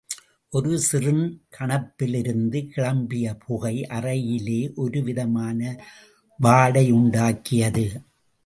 ஒரு சிறு கணப்பிலிருந்து கிளம்பியபுகை அறையிலே ஒரு விதமான வாடையையுண்டாக்கியது.